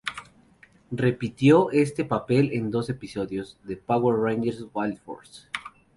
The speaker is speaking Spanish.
Repitió este papel en dos episodios de "Power Rangers Wild Force".